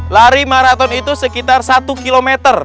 lari maraton itu sekitar satu km